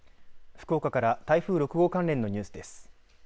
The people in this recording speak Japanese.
福岡から台風６号関連のニュースです。